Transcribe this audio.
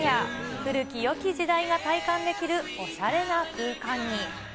古きよき時代が体感できるおしゃれな空間に。